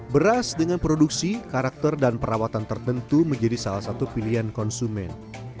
beras dengan produksi karakter dan perawatan tertentu menjadi salah satu pilihan konsumen